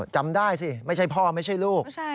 จำได้สิไม่ใช่พ่อไม่ใช่ลูก